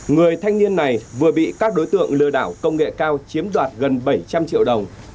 người thanh niên này vừa bị các đối tượng lừa đảo công nghệ cao chiếm đoạt gần bảy trăm linh triệu đồng